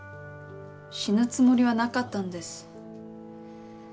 死ぬつもりはなかったんです。